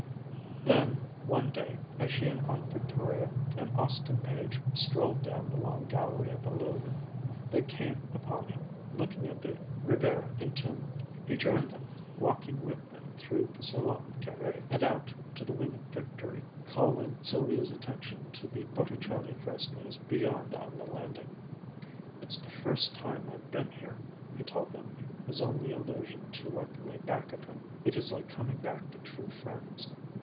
Then one day, as she and Aunt Victoria and Austin Page strolled down the long gallery of the Louvre, they came upon him, looking at the Ribera Entombment. He joined them, walking with them through the Salon Carré and out to the Winged Victory, calling Sylvia's attention to the Botticelli frescoes beyond on the landing. "It's the first time I've been here," he told them, his only allusion to what lay back of him. "It is like coming back to true friends.